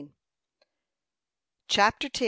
CHAPTER X.